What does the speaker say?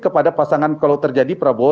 kepada pasangan kalau terjadi prabowo